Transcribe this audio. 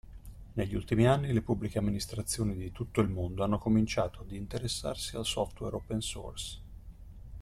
Negli ultimi anni le Pubbliche Amministrazioni di tutto il mondo hanno cominciato ad interessarsi al software open-source.